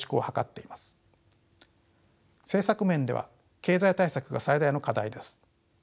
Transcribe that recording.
政策面では経済対策が最大の課題です。